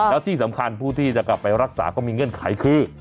แล้วที่สำคัญผู้ที่จะกลับไปรักษาก็มีเงื่อนไขคือ